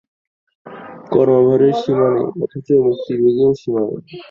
কর্মভারের সীমা নেই, অথচ মুক্তিবেগেরও সীমা নেই।